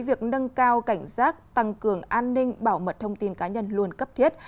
việc nâng cao cảnh giác tăng cường an ninh bảo mật thông tin cá nhân luôn cấp thiết